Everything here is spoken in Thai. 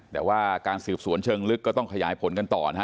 แต่ว่าการสืบสวนเชิงลึกก็ต้องขยายผลกันต่อนะฮะ